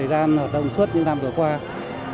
thì đây là một trong những kinh nghiệm vũ của bảo tàng